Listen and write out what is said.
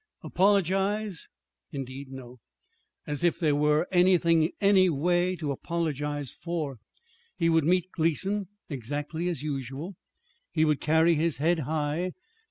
Apologize? Indeed, no! As if there were anything, anyway, to apologize for! He would meet Gleason exactly as usual. He would carry his head high.